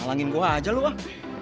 kalangin gue aja lo ah